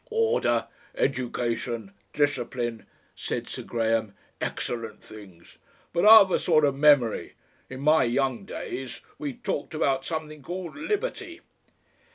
"Order, education, discipline," said Sir Graham. "Excellent things! But I've a sort of memory in my young days we talked about something called liberty."